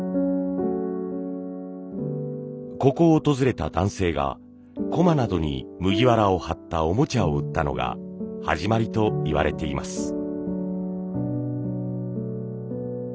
ここを訪れた男性がコマなどに麦わらを張ったおもちゃを売ったのが始まりといわれています。